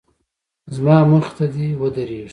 زما مخې ته دې ودرېږي.